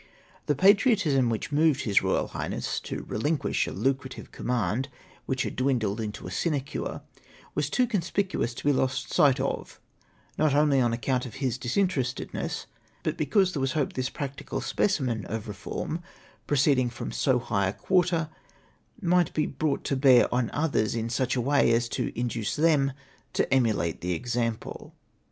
The patriotism whicli moved His Eoyal Highness to rehnquish a lucrative command which had dwindled into a sinecm e, was too conspicuous to be lost sight of, not only on account of his dishiterestedness, but because there was hope this practical specimen of reform, proceethng from so high a quarter, might be brought to bear on others in such a way as to induce them to emulate the example.